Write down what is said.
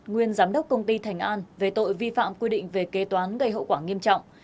nguyên giám đốc công ty thành an về tội vi phạm quy định về kế toán gây hậu quả nghiêm trọng